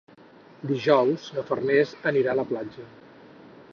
Dijous na Farners anirà a la platja.